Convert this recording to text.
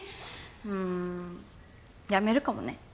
うーん辞めるかもね。